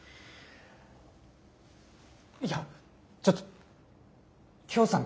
いやちょっときょーさん